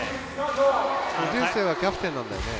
竜青はキャプテンなんだよね？